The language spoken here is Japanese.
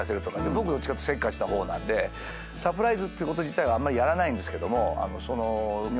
僕せっかちな方なんでサプライズってこと自体はあんまりやらないんですけども。